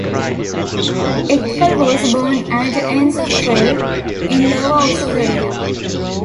Eckhel was born at Enzersfeld, in Lower Austria.